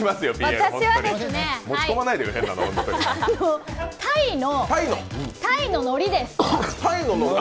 私はタイののりです。